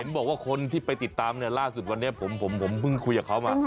บอกว่าคนที่ไปติดตามเนี่ยล่าสุดวันนี้ผมเพิ่งคุยกับเขามา